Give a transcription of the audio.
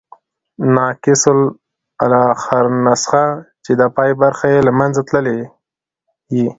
ناقص الاخرنسخه، چي د پای برخي ئې له منځه تللي يي.